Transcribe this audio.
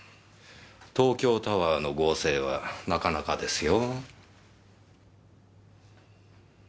東京タワーの合成はなかなかですよ。